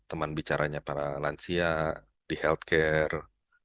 teman bicaranya para lansia di healthcare